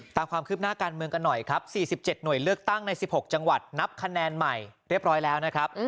ตามความคืบหน้าการเมืองกันหน่อยครับ๔๗หน่วยเลือกตั้งใน๑๖จังหวัดนับคะแนนใหม่เรียบร้อยแล้วนะครับ